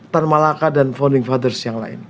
tan malaka dan founding fathers yang lain